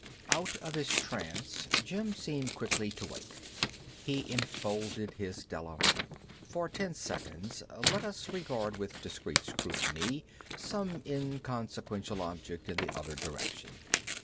Out of his trance Jim seemed quickly to wake. He enfolded his Della. For ten seconds let us regard with discreet scrutiny some inconsequential object in the other direction.